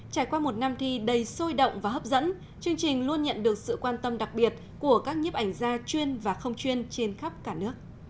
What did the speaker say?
trải qua một năm thi đầy sôi động và hấp dẫn chương trình luôn nhận được sự quan tâm đặc biệt của các nhiếp ảnh gia chuyên và không chuyên trên khắp cả nước